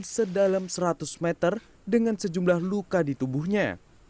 sedalam seratus meter dengan sejumlah luka di tubuhnya